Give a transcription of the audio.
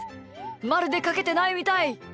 まるでかけてないみたい。